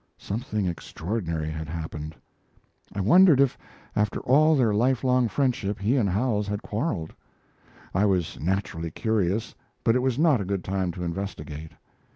Something extraordinary had happened. I wondered if, after all their lifelong friendship, he and Howells had quarreled. I was naturally curious, but it was not a good time to investigate.